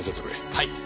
はい。